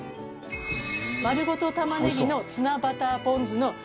丸ごと玉ねぎのツナバターポン酢の完成です！